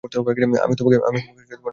আমি তোমাকে ডাক দিতে ভুলে গিয়েছি।